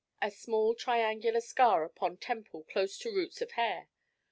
a small triangular scar upon temple close to roots of hair.